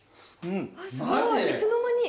すごいいつの間に。